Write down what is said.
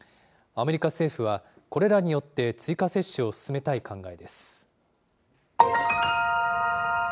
アメリカ政府は、これらによって追加接種を進めたい考えです。